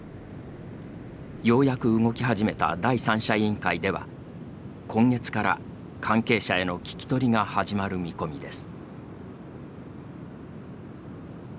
ようやく動き始めた第三者委員会では今月から、関係者への聞き取りが始まる見込みです。